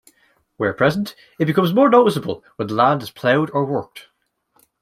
Where present, it becomes more noticeable when the land is ploughed or worked.